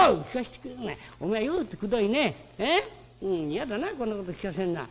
嫌だなこんなこと聞かせんのは。